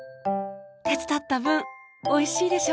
手伝った分おいしいでしょ？